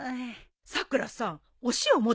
さくらさんお塩持ってきたら？